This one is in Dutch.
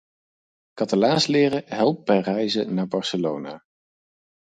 Catalaans leren helpt bij reizen naar Barcelona.